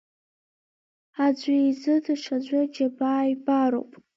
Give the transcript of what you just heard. Аӡәы изы даҽаӡәы аџьабаа ибароуп.